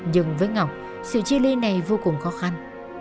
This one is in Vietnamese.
nhưng với ngọc sự chia ly này vô cùng khó khăn